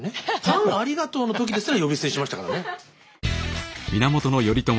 「パンありがとう」の時ですら呼び捨てにしましたからね。